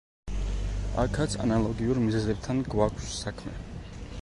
აქაც ანალოგიურ მიზეზებთან გვაქვს საქმე.